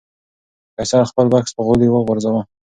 فیصل خپل بکس په غولي وغورځاوه.